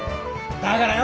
だからよ